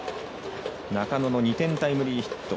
中野の２点タイムリーヒット。